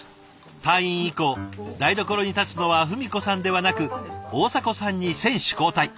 退院以降台所に立つのは文子さんではなく大迫さんに選手交代。